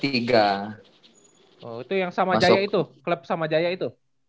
oh itu yang sama jaya itu klub sama jaya itu